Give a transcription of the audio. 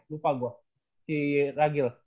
lupa gua si ragil